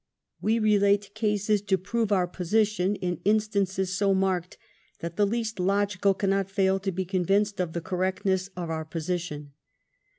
We relate cases to prove our position in instances so marked, that the least logical cannot fail to be convinced of the correctness of our position.